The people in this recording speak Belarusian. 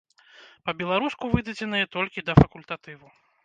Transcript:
Па-беларуску выдадзеныя толькі да факультатыву.